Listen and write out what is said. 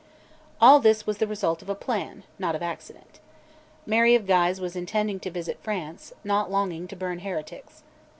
All this was the result of a plan, not of accident. Mary of Guise was intending to visit France, not longing to burn heretics.